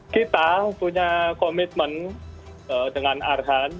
kita punya komitmen dengan arhan